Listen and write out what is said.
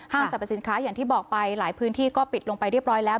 สรรพสินค้าอย่างที่บอกไปหลายพื้นที่ก็ปิดลงไปเรียบร้อยแล้ว